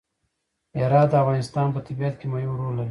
هرات د افغانستان په طبیعت کې مهم رول لري.